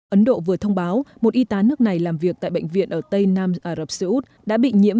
ấn độ vừa thông báo một y tá nước này làm việc tại bệnh viện ở tây nam ả rập xê út đã bị nhiễm